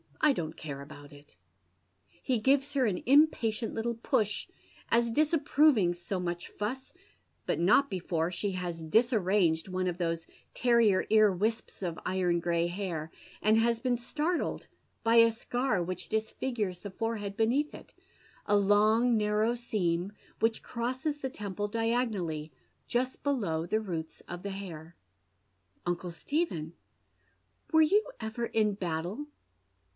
I don't care about it." He gives her an impatient little push, as disapproving so much fuss, but not before she has disarranged one of those terrier ear wisps of iron gray hair, and been startled by a scar which dis figures the forehead beneath it, a long narrow seam, which crosses the temple diagonally just below the roots of the hair. " Uncle Stephen, were you ever in battle